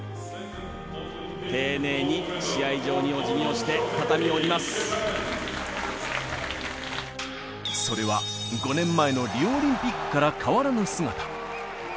丁寧に試合場におじぎをしてそれは５年前のリオオリンピックから変わらぬ姿。